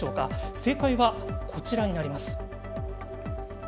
正解はこちらになります。